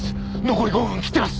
残り５分を切ってます！